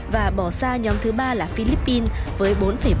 và bỏ xa nhóm thứ ba là philippines với bốn bảy